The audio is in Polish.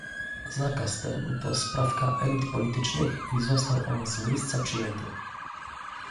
Zakaz ten to sprawka elit politycznych i został on z miejsca przyjęty